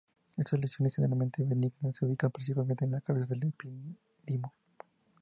Estas lesiones, generalmente benignas, se ubican principalmente en la cabeza del epidídimo.